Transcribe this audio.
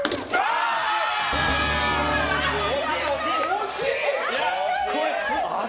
惜しい！